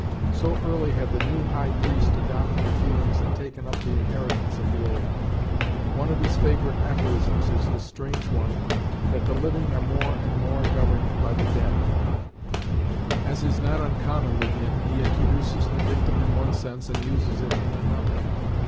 So early had the new High Priest adopted the feelings and taken up the inheritance of the old. One of his favourite aphorisms is the strange one, that the living are more and more governed by the dead. As is not uncommon with him, he introduces the dictum in one sense, and uses it in another.